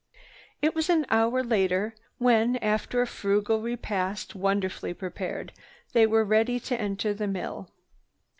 It was an hour later when, after a frugal repast wonderfully prepared, they were ready to enter the mill.